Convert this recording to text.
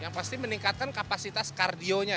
yang pasti meningkatkan kapasitas kardionya